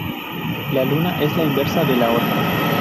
La una es la inversa de la otra.